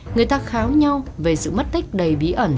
người ta kháo nhau về sự mất tích đầy bí ẩn